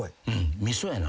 味噌やな